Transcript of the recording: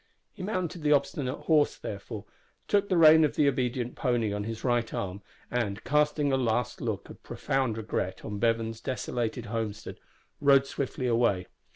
He mounted the obstinate horse, therefore, took the rein of the obedient pony on his right arm, and, casting a last look of profound regret on Bevan's desolated homestead, rode swiftly away.